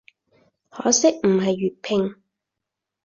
可惜唔係粵拼